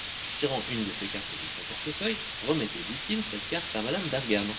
Tirant une de ses cartes de son portefeuille : Remettez, dit-il, cette carte à Madame Bergam.